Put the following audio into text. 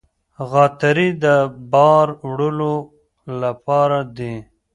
غاتري د بار وړلو لپاره دي.